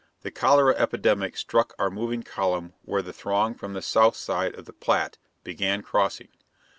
The cholera epidemic struck our moving column where the throng from the south side of the Platte began crossing.